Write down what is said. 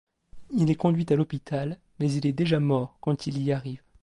Il est conduit à l'hôpital mais il est déjà mort quand il y arrive.